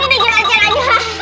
murah ini jangan jangan aja